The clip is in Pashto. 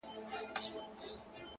د ژوند مانا په اغېزمن حضور کې ده